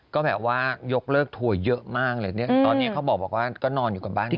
ก็แบบว่ายกเลิกทัวร์เยอะมากเลยเนี่ยตอนนี้เขาบอกว่าก็นอนอยู่กับบ้าน